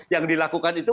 yang dilakukan itu